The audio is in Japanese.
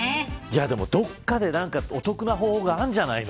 でもどこかで何かお得な方法があるんじゃないの。